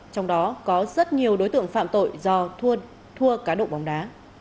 trong đó có rất nhiều đối tượng phạm tội do thua cá độ bóng đá